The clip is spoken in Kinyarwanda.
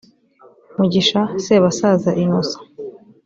Mugisha Sebasaza Innocent